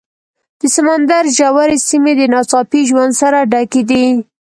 د سمندر ژورې سیمې د ناڅاپي ژوند سره ډکې دي.